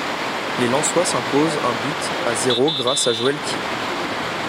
Les Lensois s'imposent un but à zéro grâce à Joël Tiéhi.